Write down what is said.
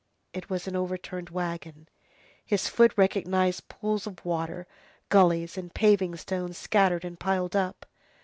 It was an overturned wagon; his foot recognized pools of water, gullies, and paving stones scattered and piled up.